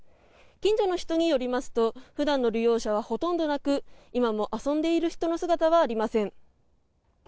近所の人によりますと普段の利用者はほとんどなく今も遊んでいる人の姿はありません。